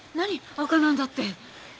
あかなんだって。